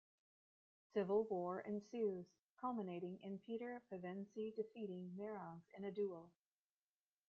Civil war ensues, culminating in Peter Pevensie defeating Miraz in a duel.